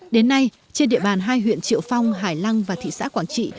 đến nay trên địa bàn hai huyện triệu phong hải lăng và thị xã quảng trị